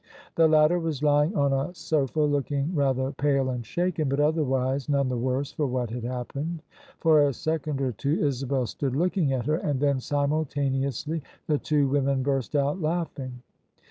The latter was lying on a sofa looking rather pale and shaken, but other wise none the worse for what had happened. For a second or two Isabel stood looking at her : and then simultaneously the two women burst out laughing.